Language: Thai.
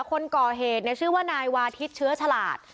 คนกรเหตุชื่อว่านายวาฒิตเชื้อฉลาด